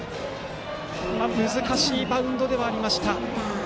難しいバウンドではありました。